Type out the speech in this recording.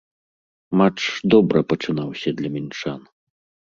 Матч добра пачынаўся для мінчан.